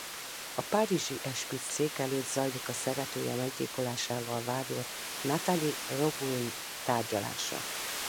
A párizsi esküdtszék előtt zajlik a szeretője meggyilkolásával vádolt Natalie Roguin tárgyalása.